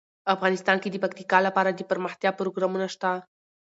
افغانستان کې د پکتیکا لپاره دپرمختیا پروګرامونه شته.